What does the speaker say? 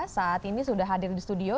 saat ini sudah hadir di studio